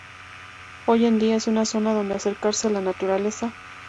Hoy en día, es una zona donde acercarse a la naturaleza.